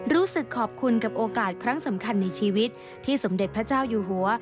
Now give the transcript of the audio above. รู้สึกขอบคุณกับโอกาสครั้งสำคัญในชีวิตที่สมเด็จพระเจ้าอยู่หัว